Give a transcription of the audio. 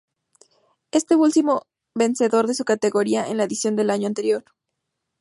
Este último vencedor de su categoría en la edición del año anterior.